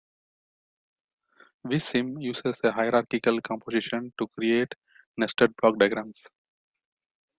VisSim uses a hierarchical composition to create nested block diagrams.